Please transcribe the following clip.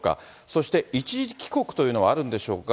そして、一時帰国というのはあるんでしょうか。